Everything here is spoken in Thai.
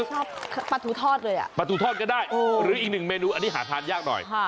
ชอบปลาทูทอดเลยอ่ะปลาทูทอดก็ได้หรืออีกหนึ่งเมนูอันนี้หาทานยากหน่อย